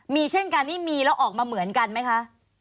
มีเช่นกันนี่มีแล้วออกมาเหมือนกันไหมคะ